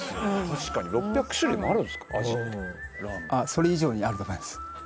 それ以上にあると思います。